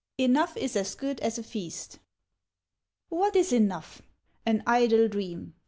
"Enough is as Good as a Feast." What is Enough? An idle dream!